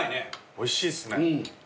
おいしいっすね。